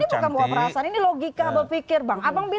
ini bukan buah perasaan ini logika berpikir bang